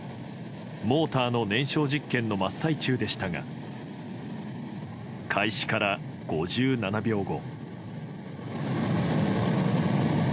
モーターの燃焼実験の真っ最中でしたが開始から５７秒後。